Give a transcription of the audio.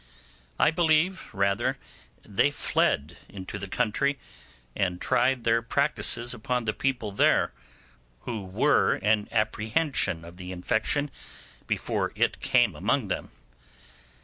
I believe rather they fled into the country and tried their practices upon the people there, who were in apprehension of the infection before it came among them.